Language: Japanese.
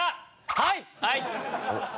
はい！